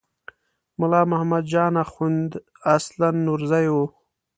ملا محمد جان اخوند اصلاً نورزی و.